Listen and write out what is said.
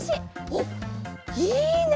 おっいいね！